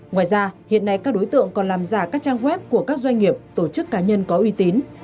ngoài ra hiện nay các đối tượng còn làm giả các trang web của các doanh nghiệp tổ chức cá nhân có uy tín